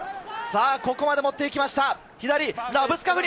ここまで持って行きました！